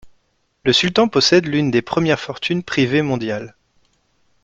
Le sultan possède l'une des premières fortunes privées mondiales.